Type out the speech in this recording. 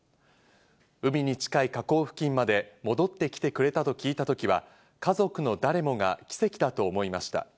海に近い河口付近まで戻ってきてくれたと聞いた時は家族の誰もが奇跡だと思いました。